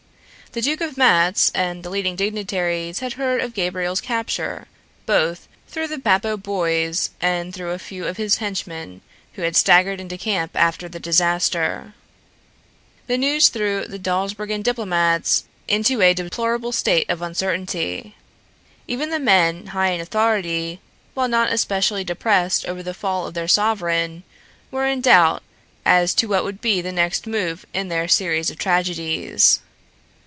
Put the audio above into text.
The Duke of Matz and the leading dignitaries had heard of Gabriel's capture, both through the Bappo boys and through a few of his henchmen who had staggered into camp after the disaster. The news threw the Dawsbergen diplomats into a deplorable state of uncertainty. Even the men high in authority, while not especially depressed over the fall of their sovereign, were in doubt as to what would be the next move in their series of tragedies.